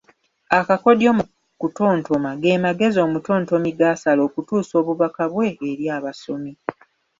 Akakodyo mu kutontoma ge magezi omutontomi g’asala okutuusa obubaka bwe eri abasomi